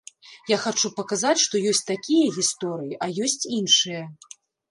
Я хачу паказаць, што ёсць такія гісторыі, а ёсць іншыя.